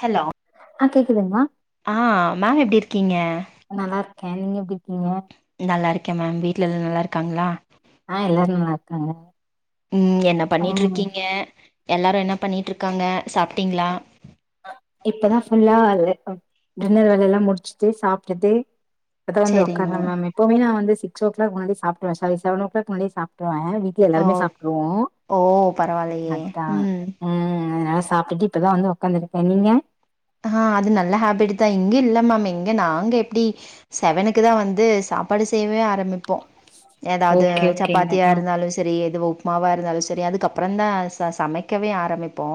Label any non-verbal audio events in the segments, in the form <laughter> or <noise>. Hello ஆ கேக்குதுங்களா ஆ மேம் எப்டி இருக்கீங்க கே நீங்க எப்டி இர்கீங்க நல்லா இருக்க மேம் வீட்டல எல்லா நல்லா இருக்காங்ளா ஆ எல்லாரு நல்லா இருக்காங்க ம் என்ன ம் பண்ணீட்ருக்கீங்க எல்லாரு என்னப் பண்ணீட்ருக்காங்க சாப்ட்டிங்ளா இப்பதா ஃபுல்லா டின்னர் வேல எல்லா முடிச்சிட்டு சாப்டுட்டு இப்ப தா வந்து உக்கார்ற மேம் எப்பவுமே நா வந்து ஸ் சிகஸ் ஓ க்ளாக் முன்னாடியே சாப்ட்ருவ சாரி செவனோ க்ளாக் முன்னாடியே சாப்ட் ட்ருவே வீட்ல ஓ எல்லாருமே சாப்ட்ருவோ ஓ பரவால்லயே அதா, ம் ம் அதனால சாப்ட்டு இப்பதா வந்து உக்காந்துருக்கே நீங்க ஆ அது நல்ல ஹேபிட்டுதா இங்க இல்ல மேம் எங்க நாங்க எப்படி செவனுக்குதா வந்து சாப்பாடு செய்யவே ஆரம்பி ப்போ ஏதாவது ஓகே ஓகேங்க சப்பாத்தியா ஆ இருந்தாலு சேரி இது உப்புமாவா இருந்தாலு சேரி அதுக்கப்பறந்தா ச சமைக்கவே ஆரம்பிப்போ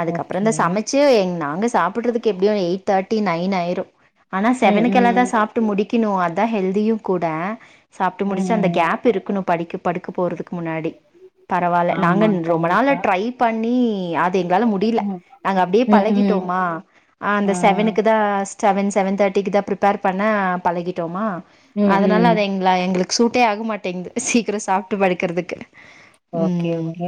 அதுக்கப்பறந்தா ஓகே சமைச்சு எ நாங்க சாப்புட்றதுக்கு எப்டியு எயிட் தேர்ட்டி நைன் ஆயிரு ஆனா ம் செவனுக்கு எல்லாதா ம் சாப்ட்டு முடி க்கிணு அதா ஹெல்தியு கூட சாப்பிட்டு ம் முடிச்சு அந்த ம் கேப் இருக்கணு படிக்க படுக்க போறதுக்கு முன்னாடி பரவாயில்ல நாங்க ஆமா ரொம்ப நாளா கண்டிப்பா ட்ரை பண்ணி அது எங்களால முடில ம் நாங்க அப்டியே ம் பழகிட்டோ ம் மா ஆ அந்த செவனுக்குதா செவன் செவன் தேர்ட்டிக்குதா ப்ரிப்பேர் பண்ண பழகிட்டோமா ம் அதனால ம் அத எங்கள எங்களுக் சூட்டே ஆக மாட்டேங்குது சீக்கிர சாப்ட்டு படுக்கறதுக்கு ஓகே ம் ஓகே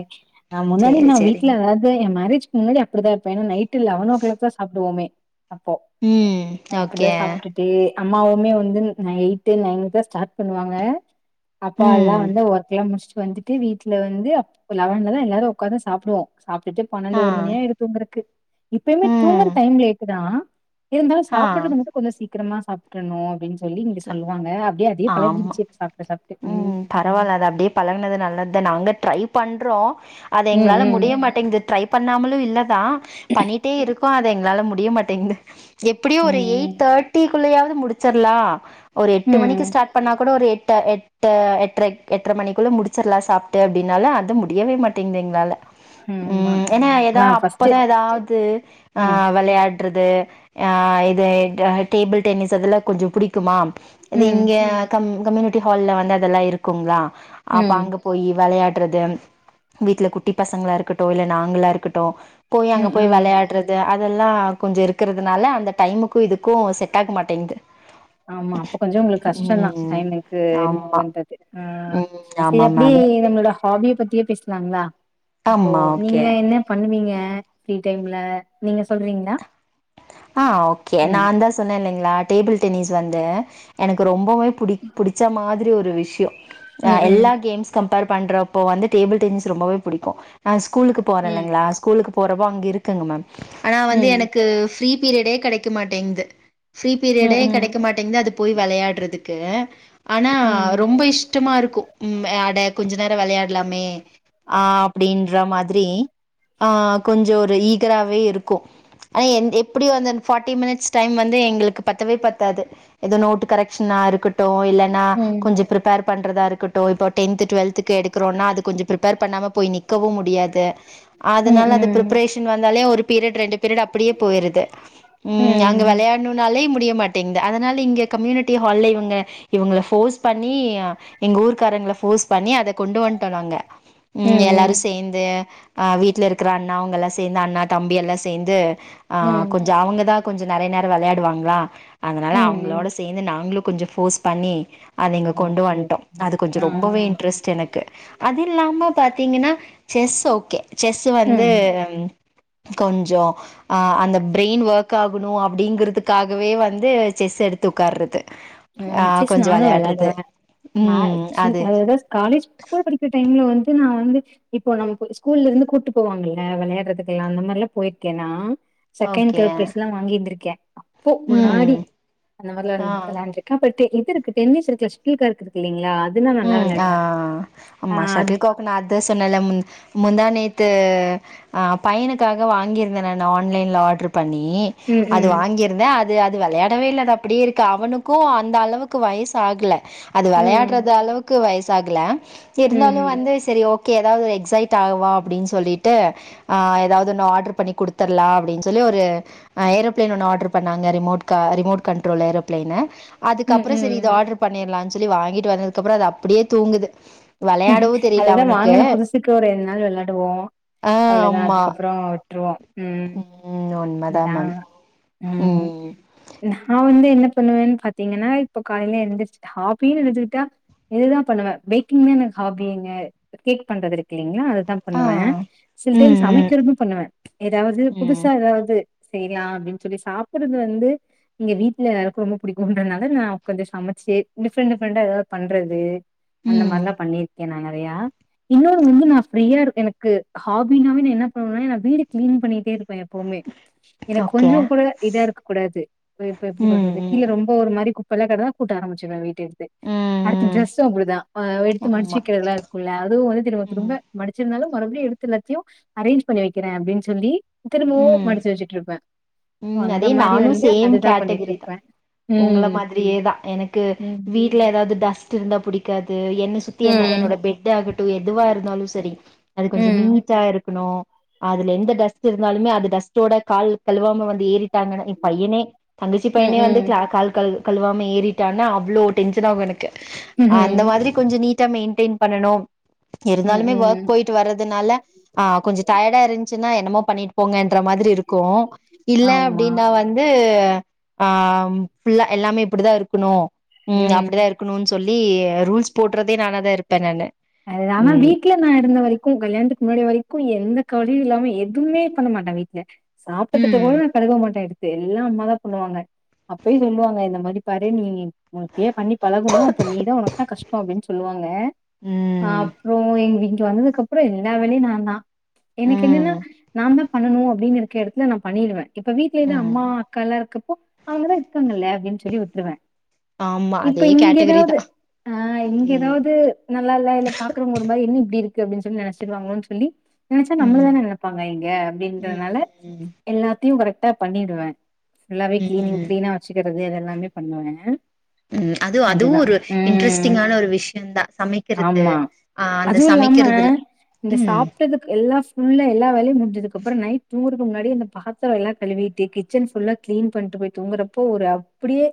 நா முன்னாடி சேரி நா சேரிங்க வீட்ல அதாவது என் மேரேஜ்க்கு முன்னாடி அப்படிதா இருப்ப ஏன்னா நைட் லெவன் ஓ கிளாக் ஸா சாப்புடுவோமே ம் ஓகே அம்மாவுமே வந்து ந எயிட்டு நைன் தான் ஸ்டார்ட் பண்ணுவாங்க அப்பா எல்லாம் ம் வந்து ஒர்க்லாம் முடிச்சட்டு இப்ப வந்துப் து வீட்ல வந்து அப்போ லவன்லல்லா எல்லாரும் உக்காந்து சாப்புவோம் சாப்ட்டுட்டு ஆ பன்னெண்டு ஒரு மணியா ய்டும் தூங்கறக்கு இப்பையுமே தூங்குற ம் டைம்லேக்குதா இருந்தாலும் ஆ சாப்புட்றது மட்டும் கொஞ்சம் சீக் க்கிரமா சாப்ட்றணும் அப்புடின்னு சொல்லி இங்க இல்ல சொல்லுவாங்க அப் ஆமா ம் பரவால்ல அது அப்டேயே பழகுனது நல்லது த நாங்க ட்ரை பண்றோ அது எங்ளால ம் முடிய மாட்டேங்து ட்ரைப் பண்ணாமலும் இல்ல தா பண்ணிட்டே இருக்கு ப்பா அத எங்களால முடியமாட்டேங்குது எப்பிடியோ ஒரு எயிட் ம் தேர்டி துக்குள்ளையாவது முடிச்சிற்லாம் ஒரு ம் எட்டு மணிக்கு ம் ஸ் பண்ணா கூட ஒரு எட்ட எட்டா எட்ரைக் எட்ர மணிகுள்ள முடிச்சற்லாம் சாப்ட்டு அப்டின்னால அது முடியவே மாட்டேங்குது எங்ளால ஆமா ம் ஏனா ஏதா ஆனா ஃபர்ஸ்ட்டு அப்பதா ஏதாவ்து ஆ ம் வெளையாட் ட்ரதே ஆ இது டேபிள் டென்னிஸு அதல்லா கொஞ்சோ புடிக்குமா அது ம் இங்க கம் கம்யூனிட்டி ஹால்ல வந்து அதல்லா இருக்குங்ளா அப்ப ம் அங்க போயி வெளையா கறது வீட்ல குட்டி பசங்களா இருக்கட்டும் இல்ல நாங்களா இருக்கட்டும் போய் அங்க ம் போய் ம் வெளையாட்றது அ அதல்லா கொஞ்சோ இருக்கறதுனால அந்த டைமுக்கு இதுக்கும் செட் ஆக மாட்டேங்குது ஷோந்தா ம் டைம் இருக்கு நீங்க ஆமா பண்றது ஆ ம் சே ஆமா அப்டியே மேம் நம்ளோட ஹாபி லீவ பத்தியே பேஸ்லாங்ளா இப்போ ஆமா நீங்க ஓகே என்ன பண்ணுவீங்க ஃப்ரீ டைம்ல நீங்க சொல்றீங்ளா ஆ ஓகே நான்தா சொன்னே இல்லைங்ளா டேபிள் டென்னிஸ் வந்து எனக்கு ரொம்பவுமே புடிக் புடிச்ச மாதிரி ஒரு விஷ்யோ அ ம் எல்லா கேம்ஸ் கம் பர் பண்றப்போ வந்து டேபிள் டென்னிஸ் ரொம்பவே புடிக்கும் அ கூலுக்கு போற ம் இல்லைங்ளா ஸ்கூலுக்கு போரப்போ அங்கிருக்குங்க மேம் ஆனா வந்து ம் எனக்கு ஃப்ரீ பீரியடே கடைக்க மாட்டேங்து ஃப்ரீ ம் பிரியடே ம் கடைக மாட்டேங்து அது போய் வெளையாட்றதுக் கு ஆனா ம் ரொம்ப இஷ்டமா இருக்கும் ம் அட கொஞ்ச நேர வெளையாட்லாமே ஆ அப்டின்ற மாதிரி ஆ கொஞ்சோ ஒரு இ க்குறவே இருக்கும் ஆனா என் எப் எப்டி வந்து அந் ஃபார்டி மினிட்ஸ் டைம் வந்து எங்களுக்கு பத்தவே பத்தாது எது நோட்டு கரெக்ஷனா இருக்கட்டும் இல்லன்னா ம் கொஞ்சோ ப்ரிப்பேர் பண்றதா இருக்கட் டோ இப்ப டென்த்து டுவல்த்துக்கு எடுக்கறோன்னா அது கொஞ்சோ பிரிப்பேர் பண்ணாம போய் நிக் கவு முடியாது ம் ம் அதுனால அது பிரிப்ரேஷன் வந்தாலே ஒரு பீரியட் ரெண்டு பீரியட் அப்டியே போய்ற் ம் அங்க வெளையாட்ணு நாலே முட் டிய மாட்டேங்குது அதனால இங்க கம்யூனிட்டி ஹால்ல இவங்க இவங்கள ஃபோர்ஸ் பண்ணி எங்க ஊர்க்காரங்கள ஃபோர்ஸ் பண்ணி அத கொண்டு வந்ட்டோ நாங்க ம் எல்லாரு சேர்ந்து அ வீட்ல இருக்குற அண்ணா அவங்க எல்லா சேந்து அண்ணா தம்பி எல்லா சேந்து ஆ ம் கொஞ்சோ அவங்கதா கொஞ்சொ நெறைய நேரோ வெளையாடுவாங்களா அதனால ம் அவங்களோட சேந்து நாங்களு கொஞ்சொ ஃபோர்ஸ் பண்ணி அது இங்க கொண்டு ஓகே வந்ட்டோ ஓகே அது கொஞ்சொ ஆ ரொம்பவே இன்ட்ரெஸ்ட் எனக்கு அது இல்லாம பா த்தீங்கன்னா செஸ் ஓகே செஸ்ஸு வந்து ம் கொஞ்சொ ஆ அந்த பிரெயின் ஒர்க் ஆகணு அப்டிங்குறதுக்காகவே வந்து செஸ் எடுத்து உக்கார்றது ஆ ம் செஸ் கொஞ்சோ நானு வெளையாடுறது வெளாடுவே நா ம் சீ அது அதர்வைஸ் காலேஜ் கூட படிக்குற டைம்ல வந் து நா வந்து இப்போ நம்மக்கு ஸ்கூல்ல இருந்து கூட்டு போவாங்கல்ல வெளையாடுறதுக்குல்லா அந்த மாரில்லா போயிருக்கேன்னா செகண்ட் ஓகே தேட் ப்ரைஸ் எல்லா வாங்கி இருந்துக்கே அப்போ ம் முன்னாடி அந்த மாரிலா இருந் வெளாண்ட்ருக்கே பட் இ துக்கு டென்னிஸ் இருக்குல ஷெட்டல்கார்க் இருக்கு இல்லலைங்களா ம் ஆ ஆமா அது ஷட்டல்கோக் நா அதா சொன்னல மு முந்தாநேத் து ஆ பையனுக்காக வாங்கியிருந்தே நானு ஆன்லைன்ல ஆடரு பண்ணி ம் அது ம் வாங்கியிருந்தே அ து அது வெளையாடவே இல்லடா அப்டியே இருக்கு அவனுக்கு அந்த அளவுக்கு வயசு ஆகுல அது வெளையாடுறது ம் க்கு வயசாகல சரி இருந்தாலு ம் வந்து சரி ஓ கே ஏதாவது எக்ஸைட் ஆவா அபடின்னு சொல்லிட்டு ஆ ஏதாவது ஒன்னு ஆட்ரு பண்ணி கொடுத்துர்லா அப்டின்னு சொல்லி ஒரு அ ஏரோப்ளைன் ஒன்னு ஆட்ரு பண்ணாங்க ரிமோட் க ரிமோட் கண்ட்ரோல் ஏரோப்ளைன்னு ம் ம் அதுக்கப்புறொ செரி இது ம் ஆர்டர் பண்ணிட்லா சொல்லி வாங்கிட்டு வந்த துக்கப்புறொ அது அப்டியே தூங்குது வெளையாடவு தெரியல அதுதா அவனுக்கு வாங்கன புதுசுக்கு ஒரு இரண் நாள் விளாடுவோ ஆ அவ்ளோதா ஆமா அதுக்கப்பற விட்டுருவோ உம் ம் உண்மதா அதா மேம் உம் ம் நா வந்து என்ன பண்ணுவு பாத்தீங்கன்னா இப்ப காலைல எந்திரிச்சு ஹாபின்னு எடுத்துக்கிட்டா இதுதா பண்ணுவ பேக்கிங் மே என ஹாபிங் கேக் பண்றது இருக்கு இல்லைங்களா அ தா ஆ பண்ணுவே சில டைம் ம் ம் சமைக்கிறது பண்ணுவே ஏதாவது ம் புதுசா ஏதாவது செய்லா அப்டின்னு சொல்லி சாப்புறது வந்து இங்க வீட்ல ரொம்ப பிடிக்கும்ன்றதுனால நா உட்காந்து சமச்சு டிஃப்ரெண்ட் டிஃப்ரெண்டா எதாவ்து பண்றது அந்த ம் மாரிலா பண்ணிரு கேனங்கறையா இன்னொரு முந்து நா ஃப்ரீயா இருக்கு எனக்கு ஹாபினாவே நா என்ன பண்ணுவேனா வீடு கிளீன் பண்ணிட்டே இருக் எப்பவுமே எனக்கு ஓகே கொஞ்ச கூட இதா இருக்கக்கூடாது இப்ப இப்ப எப்டி ம் சொல்றது ம் கீழ ரொம்ப ஒரு மாரி குப் பல கதா கூட்ட ஆரம்பச்சுவ வி ம் அடுத்து ம் ட்ரெஸ்சும் அப்புடிதா எடுத்து மடிச்சு ஆமா இருக்கறதல்லா இருக்குல்ல அது வந்து திரும்ப ம் திரும்ப மடிச்சிருந்தாலு மறுபடியு எடுத்து எல்லாத்தையு அரேஞ்ச் பண்ணி வக்கிறே அப்டின் சொல்லி திரும்பவு ம் மடிச்சு வெச்சுட்டு இருப்ப ம் அதே நானு சேம் கேட்டகரி தா பண்ணிட்ருப்பேன். உங்கள ம். மாதிரியேதா எனக்கு ம். வீட்ல எதாவ்து டஸ்ட் இருந்தா புடிக்காது து என்ன சுத்தி என்ன ம். என்னோட பெட் ஆகட் டு எதுவா இருந்தாலு செரி அது கொஞ்சோ ம். நீட்டா இருக்கணு அதுல எந்த டஸ்ட் இருந்தாலுமே அது டஸ்ட்டோட கால் கழுவாம நம்ம வந்து ஏறி ட்டாங்கனு ஏ பையனே தங்கச்சி ம். பையனே வந்து ம். <unintelligible> கழுவாம ஏறிட்டானா அவ்ளோ டென்ஷனாகு எனக்கு அந்த ம்ஹ்ம். மாதிரி கொஞ்சோ நீட் ட்டா மெயின்டெயின் பண்ணனு ம். இருந்தாலுமே ஒர்க் ம். போயிட்டு வர்றதுனால அ கொஞ்சோ டயடா இருந்துச்சின்னா என்னமோ பண்ணிட்டு போங்கன்ற மாதிரி இருக்கு இல்ல ஆமா. அப்டின்னா வந்து அ புல்லா எல்லாமே இப்பிடிதா இருக்குணு ம் அப்டிதா இருக்குணும்ன்னு சொல்லி லி ரூல்ஸ் போடுறதே நானா தா இருப்ப நானு அது ஆனா ம் வீட்ல நா இருந்த வரைக்கு கல்யாணத்துக்கு முன்னாடி வரைக்கு க்கு எந்த கவலையு இல்லாம எதுமே பண்ண மாட்டே வீட்ல சாப்ட தட்டு ம் கூட கழுவ மாட்ட எடுத் எல்லா அம்மாதா பண்ணுவாங்க அப்பயே சொல்லுவாங்க இந்த மாரி பாரு நீ உ பெர் பண்ணி பழகுவோ அப்போ நீதா உனக்கு தா கஷ்டோ அப்படின்னு சொல்லுவாங்க ம் அப்றோ ங்க இங்க வந்ததுக்கு அப்புற எல்லா வேலையு நா தா எனக்கு என்னன்னா ம் நா தா பண்ணனு அப்படின்னு இருக்க இடத்துல நா பண்ணிடுவே இப்ப வீட்டுலே தா ம் அம்மா அக்கா எல்லா இருக்கப்போ அவங்கதா இருக்காங்கல்ல அப்படின்ட்டு சொல்லி வித்துருவ ஆமா இப்ப அதே இங்க கேட்டகரி தா ஏதாவது ஆ இங்க ம் ஏதாவது நல்லயில்ல இல்ல பாக்குறவங்க ஒருமாரி என்ன இப்படி க்கு அப்படின்னு சொல்லி நனச்சிருவாங்களோன்னு சொல்லி நினைச்சா நம்மள ம் தான நினைப்பாங்க இங்க அப்படின்றதுனால ம் எல்லாத்தையு கரக் ட பண்ணிடுவே எல்லாவே கிளீ ம் கிளீனா வச்சுகிறது அதெல் எல்லாமே பண்ணுவ உம் அதுவு அதுவு ஒரு இன்ட்ரெஸ்டிங்கான ஒரு விஷய தா சமைக் ஆமா அதுவு இல்லாம இந்த ம் சாப்பிட்டதுக்கு எல்லா ஃபுல்லா எல்லா வேலையு முடிஞ்சதுக்கு அப்பறம் நைட் தூ முன்னாடி அந்த பாத்திர எல்லா கழுவிட்டு கிச்சன் ஃபுல்லா கிளீன் பண்ணிட்டு போய் தூங்குறப்போ ஒரு அப்படியே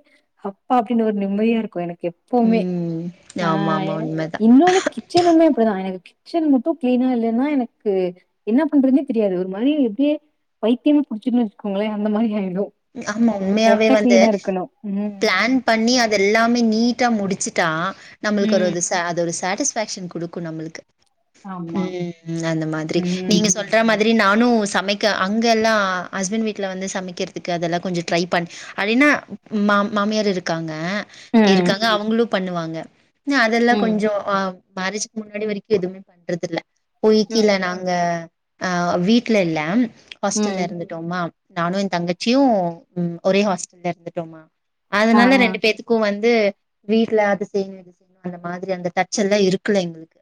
அப்பா அப்படின்னு ஒரு நிம்மதியா இருக்கு எனக்கு எப்பமே ம் ஆ ஆமா ஆமா என உண்மதா இன்னொன்னு கிச்சனமே அப்படிதா எனக்கு கிச்சன் மட்டு கிளீனா இல்லைன்னா எனக்கு என்ன பண்றதுன்னே தெரியாது ஒரு மாரி எப்படியே பைத்தியமா புடிச்சிடன்னு வச்சிக்கோங்களே அந்த மாதிரி ஆயிடு ஆமா அது உண்மையாவே கரெக்டா வந்து கிளீனா இருக்கணு ம் பிளான் பண்ணி அத எல்லாமே நீட்டா முடிச்சுட்டா நம்மளுக்கு ஒரு ம் அது ச அது ஒரு சாட்டிஸ்ஃபேக்ஷன் கொடுக்கு நம்மளுக்கு ஆமா உம் அந்த மாதிரி நீங்க ம் சொல்ற மாதிரி நா னு சமைக்க அங்க எல்லா ஹஸ்பண்ட் வீட்டல வந்து சமைக்கிற க்கு அதெல்லா கொஞ்ச ட்ரை பண்ணி அப்படினா மா மாமியார் இருக்காங்க ம் இருக்காங்க அவங்களு பண்ணுவாங்க அதெல்லா ம் கொஞ்ச ஆ மரேஜ்சுக்கு முன்னாடி வரைக்கு எதுவுமே பண்றது இல்ல ம் பொய்கில நாங்க ஆ வீட்ல இல்ல ஹாஸ்டல்ல ம் எறந்துட்டோமா நானு ஏ தங்க ச்சியு ஒரே ஹாஸ்டல்ல இருந்துட்டோமா ஆ அதனால ஆ ரெண்டு பேத்துக்கு வந் வந்து வீட்ல அது செய்னு இது செய்னு அந்த மாதிரி அந்த டச் எல்லா இருக்குல எங்களுக்கு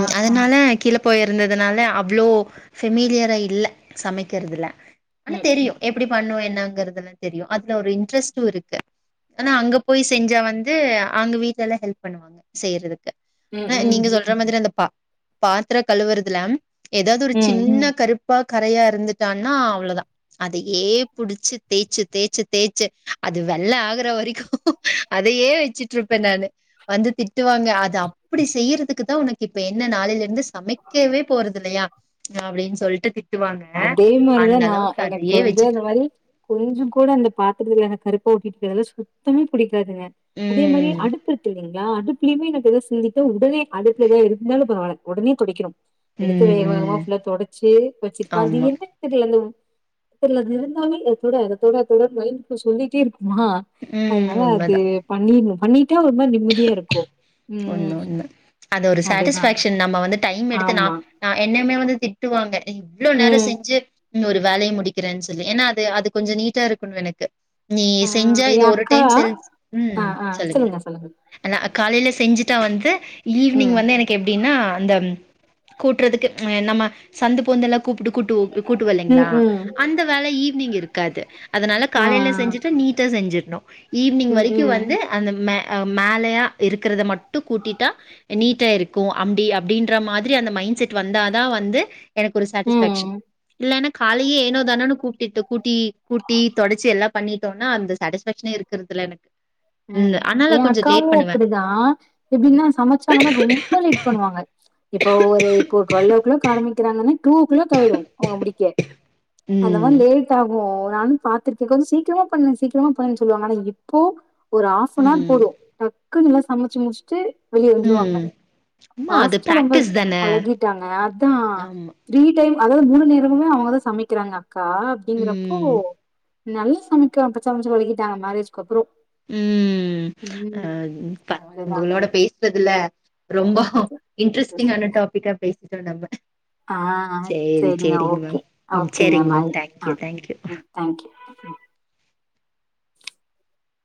ஆ அதனால கீழ பொயிருந்ததுனால அவ்ளோ சிமிலியரா இல்ல சமைக்கறதுல ஆனா ம் ம் தெரியு எப்டி பண்ணுவேனு என்னாங்கறதுலா தெறியு அப்றோ ஒரு இண்ட்ரஸ்ட்டு இருக்கு ஆனா அங்க போய் செஞ்சா வந்து அங்க வீட்லலா ஹெல்ப் பண்ணுவாங்க செய்றது ம் ஆனா ம் நீங்க சொல்ற மாதிரி அந்த பா பாத்தர கழுவுறதுலாம் ஏதாது ஒரு ம் சின்ன கருப் இப்ப கரையா இருந்துட்டான்னா அவ்ளோ தா அதையே புடிச்சி தேச்சி தேச்சி தேச்சி அது வெள்ள ஆகுற வரைக்கு அதையே வச்சுட்ருப்பே நானு வந்து திட்டுவாங்க அது அப்டி செய்றது க்கு தா ஒனக்கு இப்ப என்ன நாளைல இருந்து சமைக்கவே போறது இல்லையா அப்டின்னு சொல்ட்டு திட் டுவாங்க அதே மாரிதா அந்த நா அளவுக் எனக்கு வந்து அந்த மாரி கொஞ்ஜோ குட அந்த பா அதுலயே எனக்கு கருப்பு <unintelligible> சுத்தமா புடிக் க்காதுங்க அதே மாரி ம் அடுப்பு இருக்கு இல்லைங் நா அடுபிலையுமே எனக்கு எதா சிந்திட்டா உடனே அடுபுல்ல எதா இருந்தாலு பரவாலை ஒடனே துடைக்கனும் எடுத்து ம் வேக வேகமா ம் புஃல்லா தொடச்சி வச்சிரு அது ஆமா எந்த எடத்துல <inaudible> இல்ல அது இருந்தாலு அத தொட அத தொட தொடனு மைண்ட் சொல்லிட்டே இருக்கு ம் அதனால அது உண்மதா பண்ணிர்னு பண்ணிட்டா ஒரு மாரி நிம்மதியா இருக்கு ஒன்னு ம் ஒன்னு அது ஒரு அதுதா சாட்டிஸ்ஃபேக்ஷன் நம்ப வந்து டைம் எடுத்து நா ஆமா என்ன வந்து திட்டுவாங்க இவ்ளோ நேரோ ம் செஞ்சி ம் ஒரு வேலய முடிக்கிறேன் சொல்லி ஏனா அது அது கொஞ்சோ நீட்டா இருக்கணு எனக்கு நீ ஆ செஞ்சா எ இது ஒரு அக்கா டைம் செல் ம் சொல்லுங்க <unintelligible> காலைல செஞ்சுட்டா வந்து ம் ஈவினிங் வந்து எனக்கு எப்டீனா அந்த ம் கூட்றதுக்கு அ நம்ம சந்து பொந்தெல்லா கூப்பிட்டு கூட்டு ஒ கூட்டு வல்லைங்ளா ம்ஹ்ம். அந்த வேலை ஈவ் னிங் இருக்காது அதனால ஆ. காலையில செஞ்சுட்டு நீட்டா செஞ்சு னோ ஈவ்னிங் வரிக்கு ம்ஹ்ம். வந்து அந்த மே அ மேலையா இருக் கறது மட் டு கூட்டிட்டா நீட்டா இருக் கு அப்டி அப்டின்ற மாதிரி அந்த மைண்ட் செட்டு வந்தாதா வந்து எனக்கொரு சாட்டிஸ்ஃபேக்க்ஷன் ம். இல்லன்னா காலையே ஏனோ தானோன்னு கூப்பிட்டு கூட்டி கூட்டி தொடச்சி எல்லா பண்ணிட்டோனா அந்த சாட்டிஸ்ஃபேக்ஷனே இருக்கறதில்ல எனக் ம் ம் எ அக்காவு பண்ணுவே அப்படிதா அ எப்டீனா சமச்சாங்கன்னா ரொம்ப லேட் பண்வாங்க இப்போ ஒரு இப்போ ட்வெல்லோ க்ளாக் ஆரம்பிக்கிறாங்கன்னு டூ ஓ க்ளாக் ஆயிடு அவுங்க முடிக்க அந்த மாரி ம் லேட் ஆகு நானு பாத்துருக்கே கொஞ்சோ சீக்கிரமா பண்ணு சீக்கிரமா பண் சொல்லுவாங்க ஆனா இப்போ ஒரு ஹாஃபனார் ம் போது டக் குனு ல்லா சமச்சு முஷ்ட்டு வெளியே வந்துருவாங்க ம் ஆமா அது ஃபாஸ்டா ரொம்ப பிராக்டிஸ் ப தான பழகிட்டாங்க அத்தா ஆமா த்ரீ டைம் அதாவ்து மூணு நேரமுமே அவங்கதா சமைக்கிறாங்க க்கா அப்படிங்கறப்போ ம் நல்லா சமைக்க <unintelligible> சம்ச்சி பழக்கிட்டாங்க மேரேஜ்கு அப்புறோ ம் அ ம் பரவால அதுதா உங்களோட பேஸ்றதுல ரொம்ப இன்ட்ரெஸ்டிங்கான டாபிக்கா பேசி <unintelligible> நம்ப ஆ செரிங்க ஓகே மேம் ம் ஓகேங்க சேரிங்க பாய் மேம் தேங்க்யூ அ தேங்க்யூ ம் தேங்க்யூ ம்